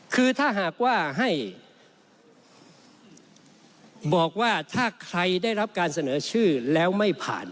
คือถ้าหากว่าให้บอกว่าถ้าใครได้รับการเสนอชื่อแล้วไม่ผ่าน